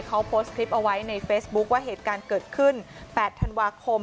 เขาโพสต์คลิปเอาไว้ในเฟซบุ๊คว่าเหตุการณ์เกิดขึ้น๘ธันวาคม